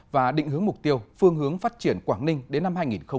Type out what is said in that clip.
và định hướng mục tiêu phương hướng phát triển quảng ninh đến năm hai nghìn ba mươi